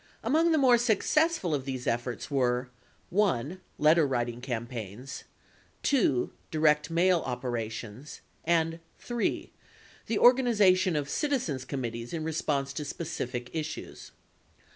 Among the more successful of these efforts were: (1) Letterwriting campaigns; (2) direct mail operations; and (3) the organization of citizens' committees in response to specific issues.